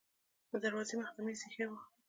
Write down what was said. د دروازې مخې ته میز ایښی و.